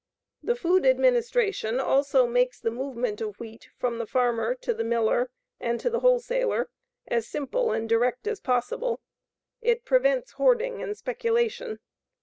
The Food Administration also makes the movement of wheat from the farmer to the miller and to the wholesaler as simple and direct as possible. It prevents hoarding and speculation.